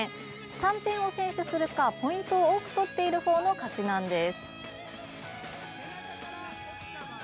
３点を先取するか、ポイントを多く取っている方の勝ちなんです。